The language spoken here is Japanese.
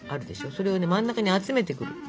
それを真ん中に集めてくる。